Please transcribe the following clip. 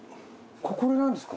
これなんですか？